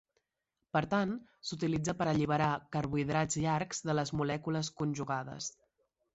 Per tant, s'utilitza per alliberar carbohidrats llargs de les molècules conjugades.